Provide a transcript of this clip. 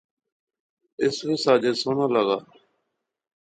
اس وی ساجد سوہنا لاغا